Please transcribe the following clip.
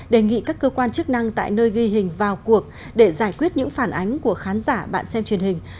đề nghị các cơ quan chức năng tại nơi ghi hình vào cuộc để giải quyết những phản ánh của khán giả bạn xem truyền hình